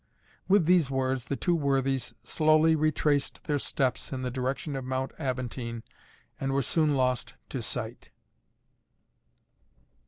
With these words the two worthies slowly retraced their steps in the direction of Mount Aventine and were soon lost to sight.